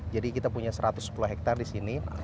jadi kita punya satu ratus sepuluh hektar di sini